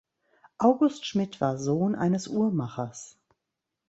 August Schmidt war Sohn eines Uhrmachers.